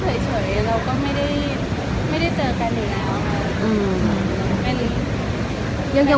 เฉยเราก็ไม่ได้เจอกันอยู่แล้วค่ะ